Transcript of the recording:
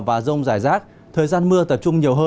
và rông dài rác thời gian mưa tập trung